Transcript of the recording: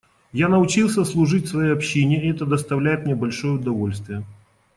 Я научился служить своей общине, и это доставляет мне большое удовольствие.